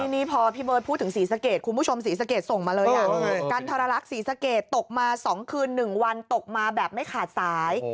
นี่พอพี่เบิร์ตพูดถึงศรีสะเกดคุณผู้ชมศรีสะเกดส่งมาเลยกันทรลักษณ์ศรีสะเกดตกมา๒คืน๑วันตกมาแบบไม่ขาดสาย